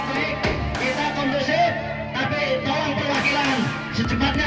kita komposit tapi tolong perwakilan secepatnya